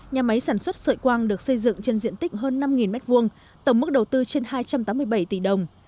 nhà máy sản xuất sợi quang được xây dựng trên diện tích hơn năm m hai tổng mức đầu tư trên hai trăm tám mươi bảy tỷ đồng